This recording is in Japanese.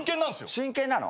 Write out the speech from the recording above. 真剣なの？